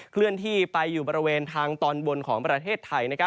เคลื่อนที่ไปอยู่บริเวณทางตอนบนของประเทศไทย